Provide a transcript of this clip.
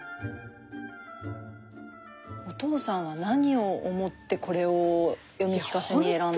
お父さんは何を思ってこれを読み聞かせに選んだ？